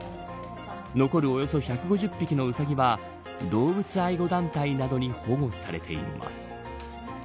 残るおよそ１５０匹のウサギは動物愛護団体などに保護されています。